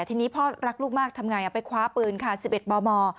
ทีนี้พ่อรักลูกมากทำไงไปคว้าปืนค่ะ๑๑มม